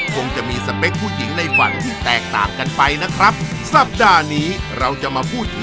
คงจะมีสเปคผู้หญิงในฝันที่แตกต่างกันไปนะครับ